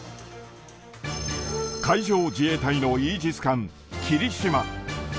海上自衛隊のイージス艦きりしま。